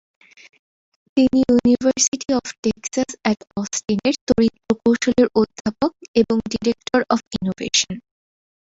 তিনি university of Texas at Austin এর তড়িৎ প্রকৌশলের অধ্যাপক এবং ডিরেক্টর অব ইনোভেশন।